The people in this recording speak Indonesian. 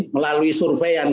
melalui survei yang